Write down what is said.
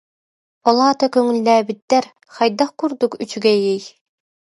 «Ол аата көҥүллээбиттэр, хайдах курдук үчүгэйий